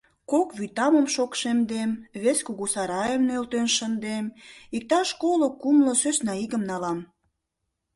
Кок вӱтамым шокшемдем, вес кугу сарайым нӧлтен шындем, иктаж коло-кумло сӧснаигым налам.